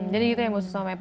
jadi gitu ya musus om epa